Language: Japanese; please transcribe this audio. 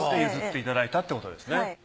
譲っていただいたってことですね。